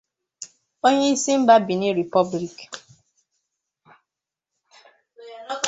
onye isi mba Benin Ripọblik